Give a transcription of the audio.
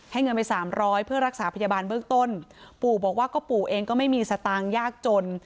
เงินไปสามร้อยเพื่อรักษาพยาบาลเบื้องต้นปู่บอกว่าก็ปู่เองก็ไม่มีสตางค์ยากจน